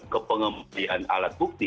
kepengembalian alat bukti